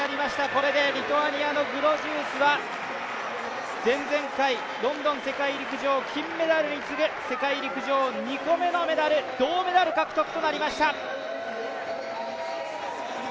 これでリトアニアのグドジウスは前々回、ロンドン世界陸上金メダルに次ぐ世界陸上２個目のメダル銅メダル獲得となりました。